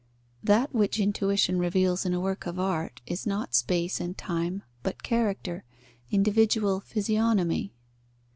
That which intuition reveals in a work of art is not space and time, but character, individual physiognomy.